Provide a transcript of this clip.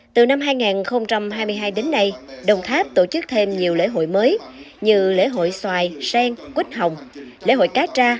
từ năm hai nghìn hai mươi hai đến nay đồng tháp tổ chức thêm nhiều lễ hội mới như lễ hội xoài sen quýt hồng lễ hội cá tra